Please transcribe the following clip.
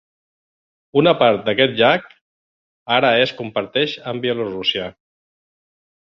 Una part d'aquest llac ara es comparteix amb Bielorússia.